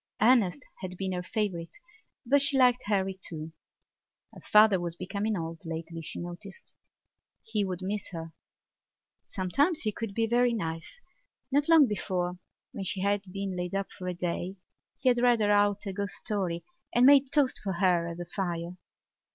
Ernest had been her favourite but she liked Harry too. Her father was becoming old lately, she noticed; he would miss her. Sometimes he could be very nice. Not long before, when she had been laid up for a day, he had read her out a ghost story and made toast for her at the fire.